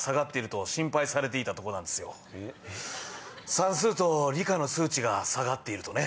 算数と理科の数値が下がっているとね。